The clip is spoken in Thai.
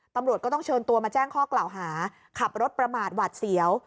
ตำรวจก็ต้องเชิญตัวมาแจ้งข้อกล่าวหาขับรถประมาทหวัดเสียว